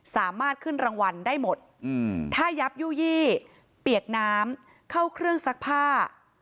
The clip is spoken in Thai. สามารถขึ้นรางวัลได้หมดถ้ายับยู่ยี่เปียกน้ำเข้าเครื่องซักผ้า